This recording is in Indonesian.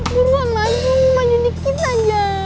buruan lanjuan lanjuan dikit aja